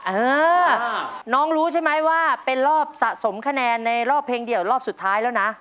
เออน้องรู้ใช่ไหมว่าเป็นรอบสะสมคะแนนในรอบเพลงเดียวรอบสุดท้ายแล้วนะ